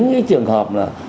những cái trường hợp là